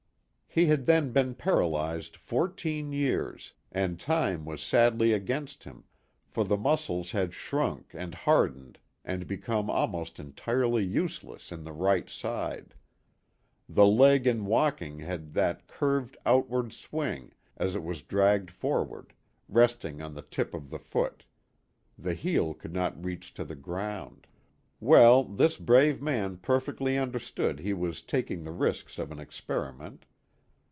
He had then been paralyzed fourteen years, and time was sadly against him, for the muscles had shrunk and hardened and become almost entirely useless in the right side. The leg in walking had that curved outward swing as it was dragged forward, resting on the tip of the foot the heel could not reach to the ground. Well, this brave man perfectly understood he was taking the risks of an experiment.